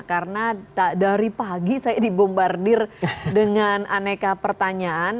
karena dari pagi saya dibombardir dengan aneka pertanyaan